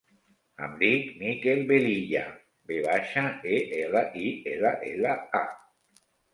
Em dic Mikel Velilla: ve baixa, e, ela, i, ela, ela, a.